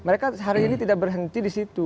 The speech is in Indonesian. mereka hari ini tidak berhenti di situ